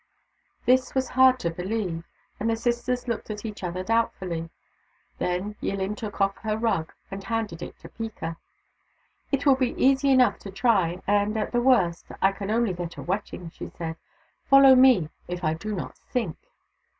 This was hard to believe, and the sisters looked at each other doubtfully. Then YilHn took off her rug and handed it to Peeka. " It will be easy enough to try, and at the worst I can only get a wetting," she said. " Follow me if I do not sink."